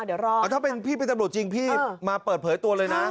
เดี๋ยวรอถ้าเป็นพี่เป็นตำรวจจริงพี่มาเปิดเผยตัวเลยนะ